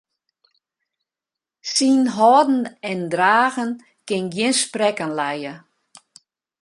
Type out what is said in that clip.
Syn hâlden en dragen kin gjin sprekken lije.